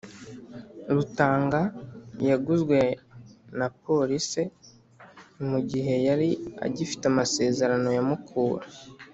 Rutanga yaguzwe na Polise mu gihe yari agifite amasezerano ya Mukura